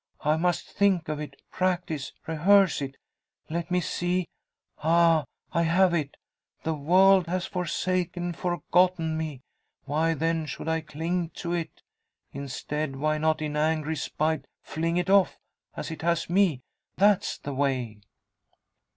I must think of it; practice, rehearse it. Let me see. Ah! I have it. The world has forsaken, forgotten me. Why then should I cling to it! Instead, why not in angry spite fling it off as it has me. That's the way!"